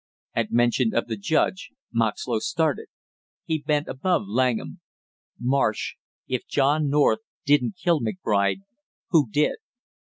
At mention of the judge, Moxlow started. He bent above Langham. "Marsh, if John North didn't kill McBride, who did?"